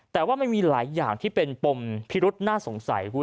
แต่ว่ามันมีหลายอย่างที่เป็นปมพิรุษน่าสงสัย